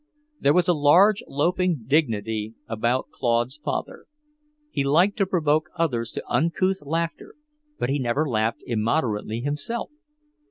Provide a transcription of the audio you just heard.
There was a large, loafing dignity about Claude's father. He liked to provoke others to uncouth laughter, but he never laughed immoderately himself.